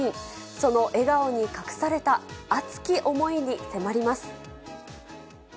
その笑顔に隠された熱き思いに迫ります。